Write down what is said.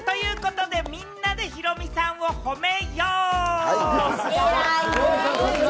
みんなでヒロミさんを褒めよう！いいぞ！